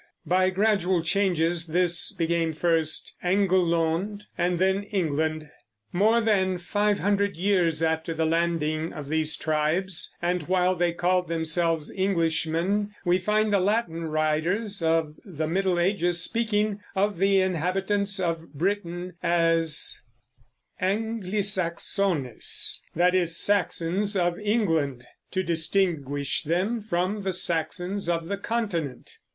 By gradual changes this became first Englelond and then England. More than five hundred years after the landing of these tribes, and while they called themselves Englishmen, we find the Latin writers of the Middle Ages speaking of the inhabitants of Britain as Anglisaxones, that is, Saxons of England, to distinguish them from the Saxons of the Continent.